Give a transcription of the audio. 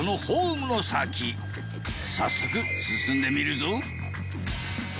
早速進んでみるぞ。